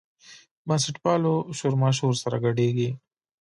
بنسټپالو شورماشور سره ګډېږي.